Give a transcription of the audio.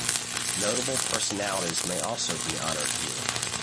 Notable personalities may also be honoured here.